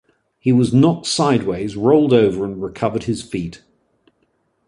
He was knocked sideways, rolled over, and recovered his feet.